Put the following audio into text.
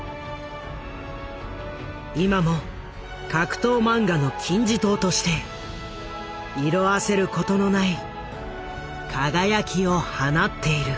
今も格闘漫画の金字塔として色あせることのない輝きを放っている。